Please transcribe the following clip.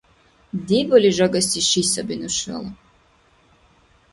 Дебали жагаси ши саби нушала.